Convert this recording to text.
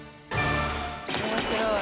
面白い。